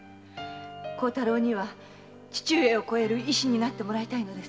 孝太郎には父上をこえる医師になってもらいたいのです〕